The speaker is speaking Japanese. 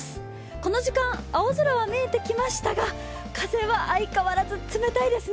この時間、青空は見えてきましたが風は相変わらず冷たいですね。